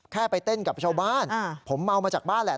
แค่ไปเต้นกับชาวบ้านผมเมามาจากบ้านแหละ